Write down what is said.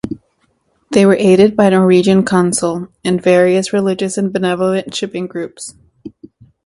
They were aided by the Norwegian Consul and various religious and benevolent shipping groups.